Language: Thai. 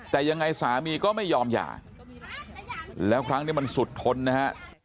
แต่ยังไงสามีก็ไม่ยอมหย่าแล้วครั้งนี้มันสุดทนนะฮะ